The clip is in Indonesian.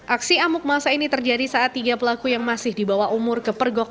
aksi amuk masa ini terjadi saat tiga pelaku yang masih di bawah umur kepergok